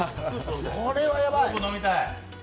これはやばい。